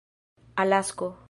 alasko